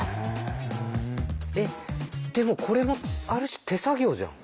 えっでもこれもある種手作業じゃん。